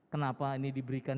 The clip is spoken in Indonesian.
kenapa ini diberikan